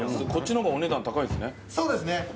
こっちの方がお値段高いですね。